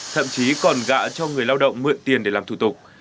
thậm chí còn gạ cho người lao động mượn tiền để làm thủ tục